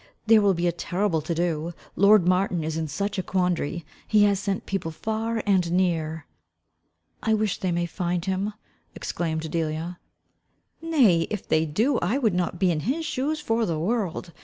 There will be a terrible to do Lord Martin is in such a quandary He has sent people far and near." "I wish they may find him," exclaimed Delia. "Nay, if they do, I would not be in his shoes for the world.